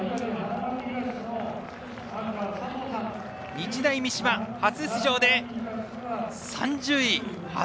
日大三島、初出場で３０位。